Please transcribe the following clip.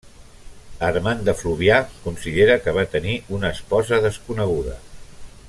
Armand de Fluvià considera que va tenir una esposa desconeguda.